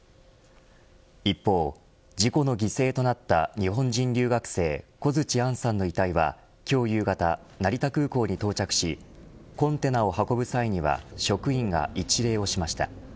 一方、事故の犠牲となった日本人留学生小槌杏さんの遺体は今日夕方、成田空港に到着しコンテナを運ぶ際には職員が一礼をしました。